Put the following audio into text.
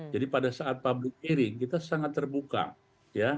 jadi pada saat public hearing kita sangat terbuka ya